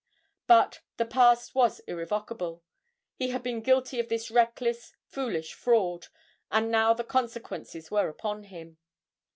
But the past was irrevocable; he had been guilty of this reckless, foolish fraud, and now the consequences were upon him!